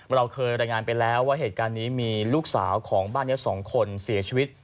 เราเคยรายงานไปแล้วว่าเหตุการณ์นี้มีลูกสาวของบ้านนี้๒คนเสียชีวิต